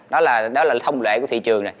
đó là thông lệ của thị trường này